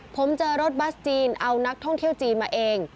ผมเจอรถบัสจีนเอานักท่องเที่ยวจีนมาเอง